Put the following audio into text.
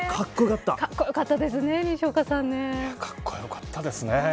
かっこよかったですね。